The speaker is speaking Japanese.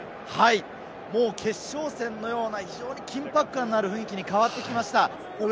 決勝戦のような非常に緊迫感のある雰囲気に変わってきました。